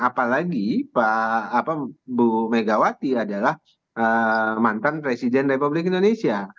apalagi bu megawati adalah mantan presiden republik indonesia